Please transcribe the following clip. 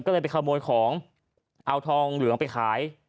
ก็เลยไปขโมยของเอาทองเหลืองไปขาย